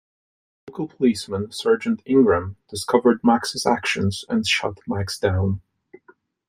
A local policeman, Sergeant Ingram, discovered Max's actions and shut Max down.